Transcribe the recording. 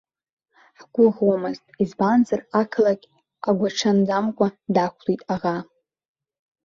Ҳгәыӷуамызт, избанзар, ақалақь агәаҽанӡамкәа дақәлеит аӷа.